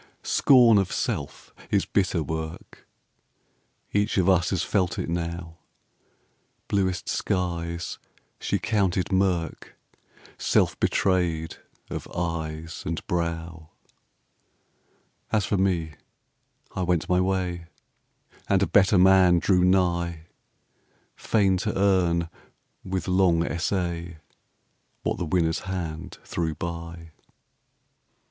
Scorn of self is bitter work, Each of us has felt it now: Bluest skies she counted mirk, Self betrayed of eyes and brow; As for me, I went my way, And a better man drew nigh, Fain to earn, with long essay, What the winner's hand threw by.